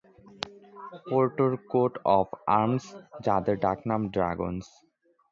পোর্টোর coat of arms, যাদের ডাকনাম "dragons".